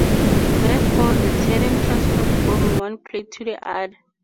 Therefore, the terrane transferred from one plate to the other.